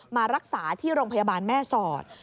มารักษาที่โรงพยาบาลแม่สอด